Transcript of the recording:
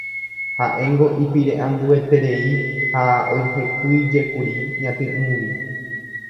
Ha'éngo ipire'andueterei ha ohekýijekuri ñati'ũgui.